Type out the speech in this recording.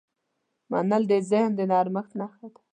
منل د ذهن د نرمښت نښه ده.